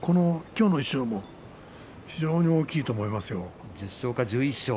今日の一番も非常に大きいと思いますよ。